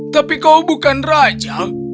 tapi kau bukan raja